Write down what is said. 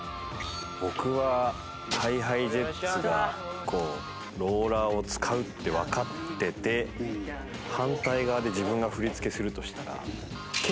僕はＨｉＨｉＪｅｔｓがローラーを使うってわかってて反対側で自分が振り付けするとしたら。